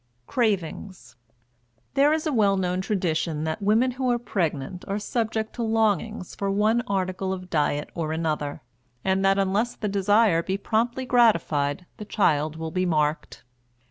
CRAVINGS. There is a well known tradition that women who are pregnant are subject to longings for one article of diet or another, and that unless the desire be promptly gratified the child will be "marked."